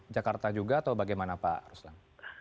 jakarta juga atau bagaimana pak ruslan